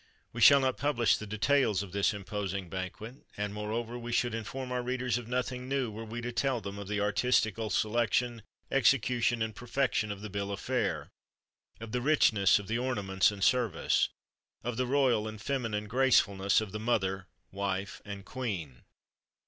We shall not publish the details of this imposing banquet; and, moreover, we should inform our readers of nothing new, were we to tell them of the artistical selection, execution, and perfection of the bill of fare, of the richness of the ornaments and service, of the royal and feminine gracefulness of the mother, wife, and queen.